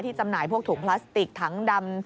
ที่จำหน่ายพวกถูกพลาสติกทั้งดำ